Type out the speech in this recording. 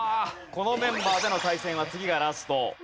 このメンバーでの対戦は次がラスト。